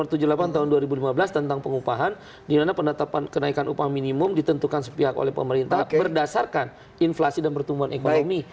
nomor tujuh puluh delapan tahun dua ribu lima belas tentang pengupahan di mana penetapan kenaikan upah minimum ditentukan sepihak oleh pemerintah berdasarkan inflasi dan pertumbuhan ekonomi